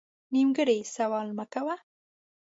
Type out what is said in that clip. نیمګړی سوال مه کوه